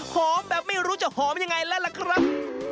หอมแบบไม่รู้จะหอมอย่างไรล่ะล่ะครับ